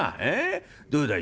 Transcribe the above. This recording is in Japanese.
『どうだい？